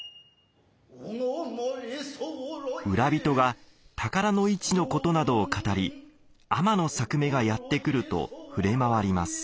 浦人が宝の市のことなどを語り天探女がやって来ると触れ回ります。